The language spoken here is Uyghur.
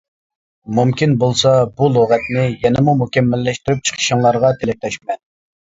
مۇمكىن بولسا بۇ لۇغەتنى يەنىمۇ مۇكەممەللەشتۈرۈپ چىقىشىڭلارغا تىلەكداشمەن!